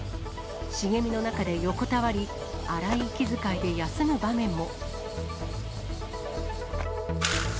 茂みの中で横たわり、荒い息遣いで休む場面も。